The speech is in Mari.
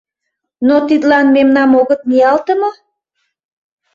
Но тидлан мемнам огыт «ниялте» мо?